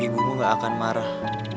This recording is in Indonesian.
ibumu gak akan marah